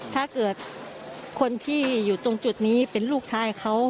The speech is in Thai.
ถ้าเกิดคนที่อยู่ตรงจุดนี้เป็นลูกชายเขา